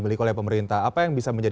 di sisi apa namanya